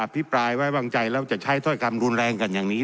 พิปรายไว้วางใจแล้วจะใช้ถ้อยคำรุนแรงกันอย่างนี้